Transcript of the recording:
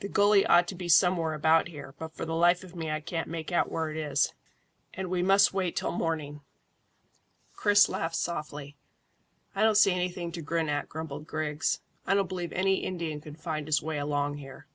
"The gully ought to be somewhere about here, but for the life of me I can't make out where it is, and we must wait till morning." Chris laughed softly. "I don't see anything to grin at," grumbled Griggs. "I don't believe any Indian could find his way along here."